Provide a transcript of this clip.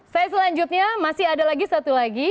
slide selanjutnya masih ada lagi satu lagi